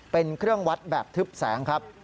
เป็นเครื่องวัดแบบทึบแสงครับ